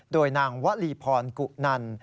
โดยนางวลีพรกุนัน